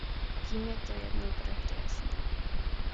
Tím je to jednou provždy jasné.